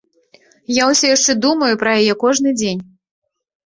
Я ўсё яшчэ думаю пра яе кожны дзень.